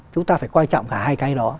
chúng ta phải quan trọng cả hai cái đó